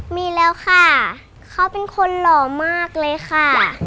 มีแล้วค่ะเขาเป็นคนหล่อมากเลยค่ะ